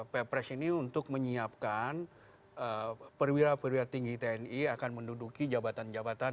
perpres ini untuk menyiapkan perwira perwira tinggi tni akan menduduki jabatan jabatan